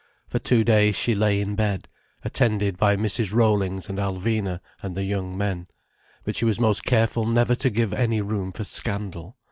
For two days she lay in bed, attended by Mrs. Rollings and Alvina and the young men. But she was most careful never to give any room for scandal.